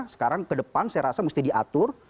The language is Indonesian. sekarang ke depan saya rasa mesti diatur